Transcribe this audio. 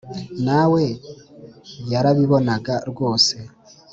nawe yarabibonaga rwose